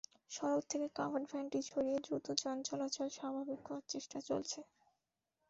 সড়ক থেকে কাভার্ডভ্যানটি সরিয়ে দ্রুত যান চলাচল স্বাভাবিক করার চেষ্টা চলছে।